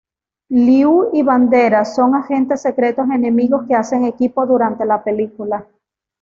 Liu y Banderas son agentes secretos enemigos que hacen equipo durante la película.